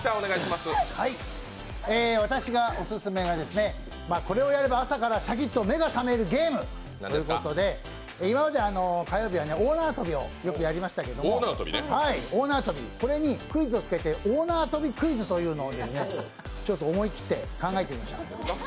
私がオススメがこれをやれば朝からシャキッと目が覚めるゲームということで今まで火曜日は大縄跳びをよくやりましたけど、これにクイズを付けて「大縄跳びクイズ」というのをちょっと思い切って考えてみました。